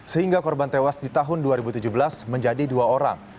sehingga korban tewas di tahun dua ribu tujuh belas menjadi dua orang